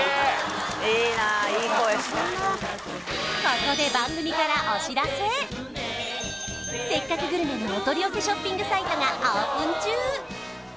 ここで「せっかくグルメ」のお取り寄せショッピングサイトがオープン中